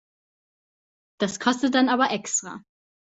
Das kostet dann aber extra.